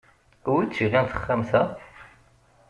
Wi tt-ilan texxamt-a?